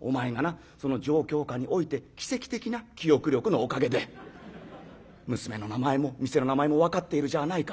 お前がなその状況下において奇跡的な記憶力のおかげで娘の名前も店の名前も分かっているじゃあないか。